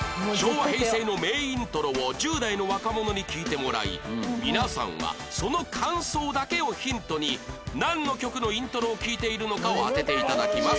昭和平成の名イントロを１０代の若者に聴いてもらい皆さんはその感想だけをヒントになんの曲のイントロを聴いているのかを当てて頂きます